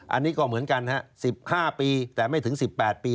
อันนี้ก็เหมือนกันฮะ๑๕ปีแต่ไม่ถึง๑๘ปี